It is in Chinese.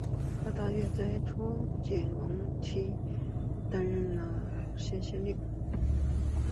他大约在楚简王时期担任圉县县令。